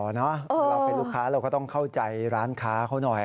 คือเราเป็นลูกค้าเราก็ต้องเข้าใจร้านค้าเขาหน่อย